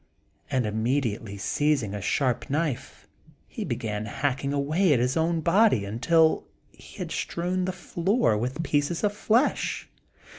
and immediately seizing a sharp knife, he began hacking away at his own body until he had strewed the floor with pieces of flesh.